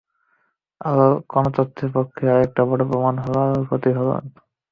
আলোর কণাতত্ত্বের পক্ষে আরেকটা বড় প্রমাণ হলো আলো প্রতিফলন।